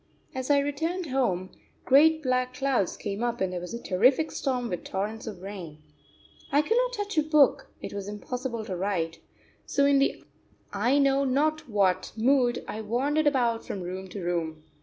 As I returned home, great black clouds came up and there was a terrific storm with torrents of rain. I could not touch a book, it was impossible to write, so in the I know not what mood I wandered about from room to room.